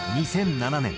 ２００７年